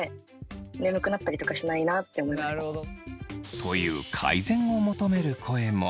という改善を求める声も。